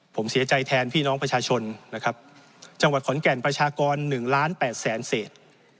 ผมเสียใจแทนพี่น้องประชาชนนะครับจังหวัดขอนแก่นประชากร๑ล้าน๘แสนเศษ